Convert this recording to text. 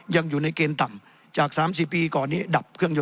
ยังอยู่ในเกณฑ์ต่ำจาก๓๐ปีก่อนนี้ดับเครื่องยน